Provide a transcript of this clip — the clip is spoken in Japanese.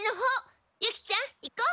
ユキちゃん行こう！